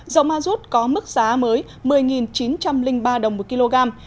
dầu ma rút có mức giá mới một mươi chín trăm linh ba đồng một kg